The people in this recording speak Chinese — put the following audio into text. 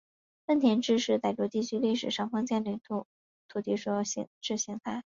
份田制是傣族地区历史上封建领主制社会的土地所有制形态。